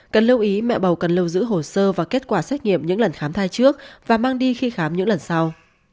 cần lưu ý mẹ bầu cần lưu giữ hồ sơ và kết quả xét nghiệm những lần khám thai trước và mang đi khi khám những lần sau